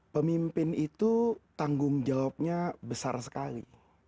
pemimpin itu tanggung jawabnya besar sekali